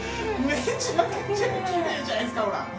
めちゃくちゃきれいじゃないですかほら。